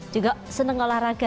juga seneng olahraga